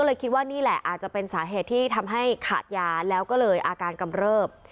เลยคิดว่านี่แหละอาจจะเป็นสาเหตุที่ทำให้ขาดยาแล้วก็เลยอาการกำเริบ